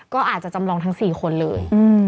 ก็อาจจะจำลองทั้ง๔คนเลย